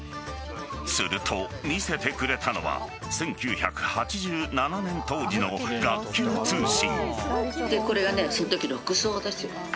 すると、見せてくれたのは１９８７年当時の学級通信。